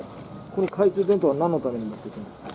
懐中電灯は何のために持っていくんですか？